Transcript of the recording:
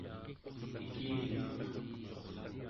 ikilipeq